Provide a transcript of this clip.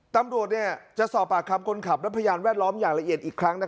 ตำรวจจะสอบปากคำคนขับและพยานแวดล้อมอย่างละเอียดอีกครั้ง